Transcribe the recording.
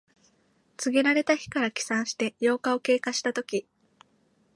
告げられた日から起算して八日を経過したとき。